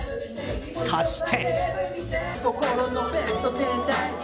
そして。